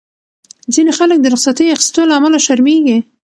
ځینې خلک د رخصتۍ اخیستو له امله شرمېږي.